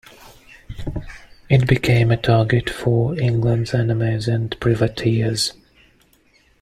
It became a target for England's enemies, and privateers.